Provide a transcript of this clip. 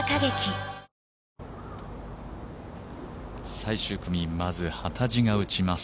最終組、まず幡地が打ちます。